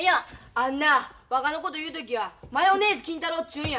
あんなわがのこと言う時は「マヨネーズ金太郎」ちゅうんや。